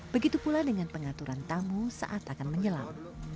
begitu pula dengan pengaturan tamu saat akan menyelam